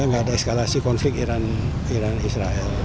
gak ada eskalasi konflik iran dan israel